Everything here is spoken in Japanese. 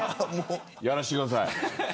やらしてください。